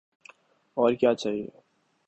اور کیا چاہیے؟